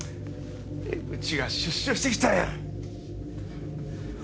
江口が出所してきたよ。